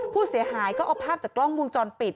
ผู้เสียหายก็เอาภาพจากกล้องวงจรปิด